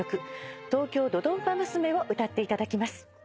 『東京ドドンパ娘』を歌っていただきます。